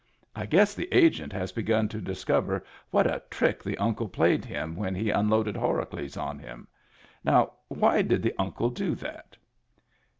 I guess the Agent has begun to discover what a trick the Uncle played him when he unloaded Horacles on him. Now why did the Uncle do that